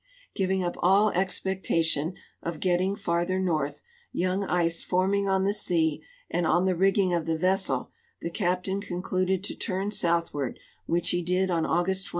Giving up all expectation of getting farther north, young ice forming oil the sea and on the rigging of the vessel, the captain concluded to turn southward, which he did on August 22.